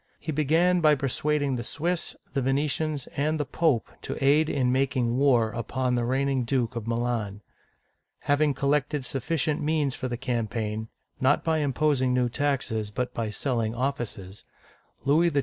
He began by persuading the Swiss, the Venetians, and the Pope to aid in making war upon the reigning Duke of Milan. Having collected sufficient means for the campaign, — not by imposing new taxes, but by selling offices, — Louis XII.